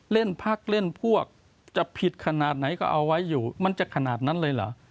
เล่นพักเล่นพวกจะผิดขนาดไหนก็เอาไว้อยู่มันจะขนาดนั้นเลยเหรอ